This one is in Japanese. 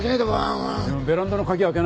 でもベランダの鍵開けないと。